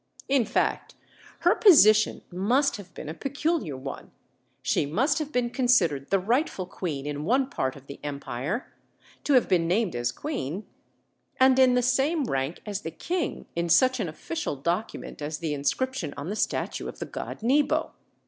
In fact, her position must have been a peculiar one; she must have been considered the rightful queen in one part of the empire, to have been named as queen, and in the same rank as the king, in such an official document as the inscription on the statue of the god Nebo.